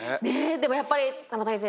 でもやっぱり玉谷先生